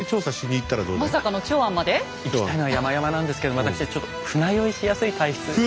行きたいのはやまやまなんですけど私ちょっと船酔いしやすい体質でして。